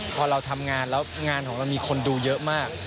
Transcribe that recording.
พอเราทำงานแล้วงานของเรามีคนดูเยอะมาก